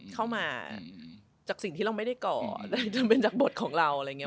เข้ามาจากสิ่งที่เราไม่ได้ก่ออะไรจนเป็นจากบทของเราอะไรอย่างนี้